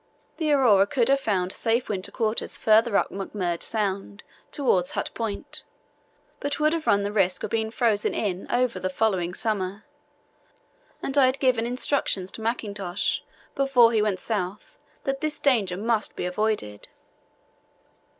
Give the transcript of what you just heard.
The Aurora could have found safe winter quarters farther up McMurdo Sound, towards Hut Point, but would have run the risk of being frozen in over the following summer, and I had given instructions to Mackintosh before he went south that this danger must be avoided.